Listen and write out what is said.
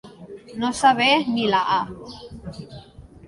No saber ni la «a».